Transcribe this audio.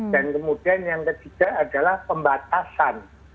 dan kemudian yang ketiga adalah pembatasan